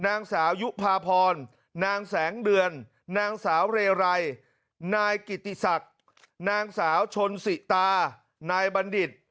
นางสาวยุภาพรนางแสงเดือนนางสาวเรไรนายกิติศักดิ์นางสาวชนสิตานายบัณฑิต